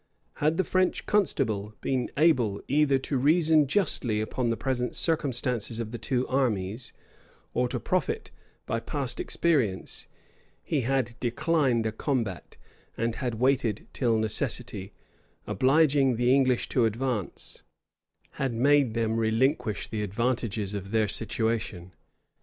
[*] Had the French constable been able either to reason justly upon the present circumstances of the two armies, or to profit by past experience, he had declined a combat, and had waited till necessity, obliging the English to advance, had made them relinquish the advantages of their situation.